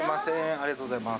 ありがとうございます。